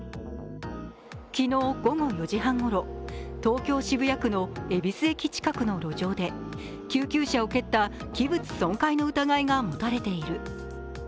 昨日午後４時半ごろ、東京・渋谷区の恵比寿駅近くの路上で救急車を蹴った器物損壊の疑いが持たれている。